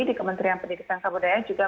di kementerian pendidikan dan kebudayaan juga